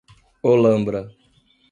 Holambra